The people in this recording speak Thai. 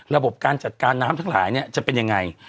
ระบบการจัดการน้ำทั้งหลายเนี่ยจะเป็นยังไง